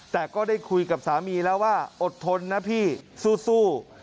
แต่ก็ได้คุยกับสามีแล้วว่าอดทนนะพี่สู้